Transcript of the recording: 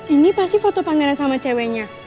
ini pasti foto pangeran sama ceweknya